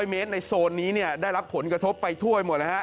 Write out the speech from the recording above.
๕๐๐เมตรในโซนนี้ได้รับผลกระทบไปถ้วยหมด